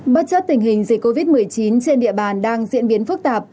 bất chấp tình hình dịch covid một mươi chín trên địa bàn đang diễn biến phức tạp